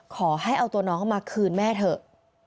ขอให้เอาตัวน้องเขามาคืนแม่เถอะ